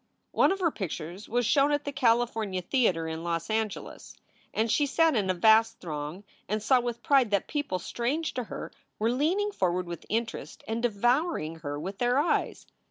One of her pictures was shown at the California Theater in Los Angeles, and she sat in a vast throng and saw with pride that people strange to her were leaning forward with interest and devouring her with their eyes.